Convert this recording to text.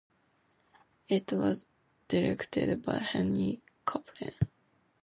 It was directed by Henry Kaplan.